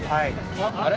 あれ？